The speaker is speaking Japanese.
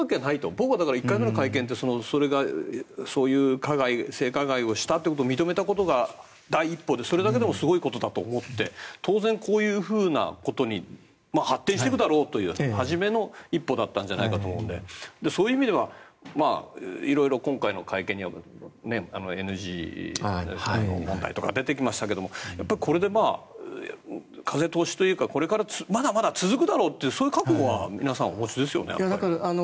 僕はだから１回目の会見でそういう性加害をしたということを認めたことが第一歩でそれだけでもすごいと思って当然、こういうふうなことに発展していくんだろうという初めの一歩だったと思うのでそういう意味では色々今回の会見ではＮＧリストの問題とか出てきましたけどこれで風通しというかこれからまだまだ続くだろうというそういう覚悟は皆さんお持ちですよね。